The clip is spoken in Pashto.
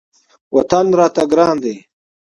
وطن راته ګران دی.